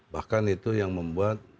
bahkan itu yang membuat